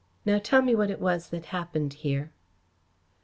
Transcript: Now tell me what it was that happened here."